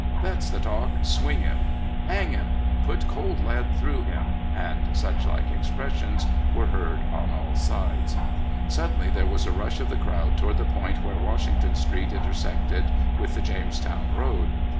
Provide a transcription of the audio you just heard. ''That's the talk! swing him!" '* Hang him !" "Put cold lead through him! " and such like ex pressions were heard on all sides. Suddenly there was a rush of the crowd toward the point where Washington Street intersected with the Jamestown road.